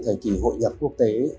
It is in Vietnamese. trong thời kỳ hội nhập quốc tế